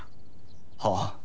はあ？